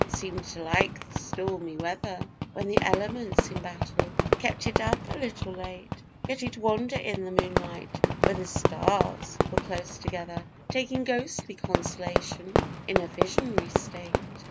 seemed to like the stormy weather, When the elements in battle kept it up a little late; Yet he'd wander in the moonlight when the stars were close together, Taking ghostly consolation in a visionary state.